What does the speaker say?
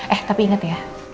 eh tapi inget ya